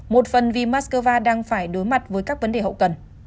một phần vì moscow đang phải đối mặt với các vấn đề hậu cần